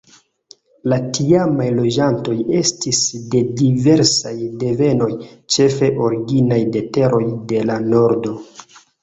La tiamaj loĝantoj estis de diversaj devenoj, ĉefe originaj de teroj de la nordo.